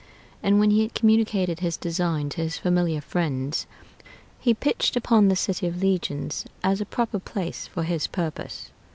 And when he had communicated his design to his familiar friends, he pitched upon the city of Legions as a proper place for his purpose.